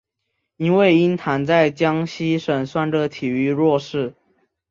因为鹰潭在江西省算是个体育弱市。